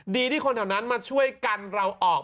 ดีที่คนที่เท่านั้นมาช่วยกันเราออก